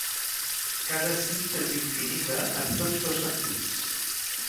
Cada cinta és infinita en tots dos sentits.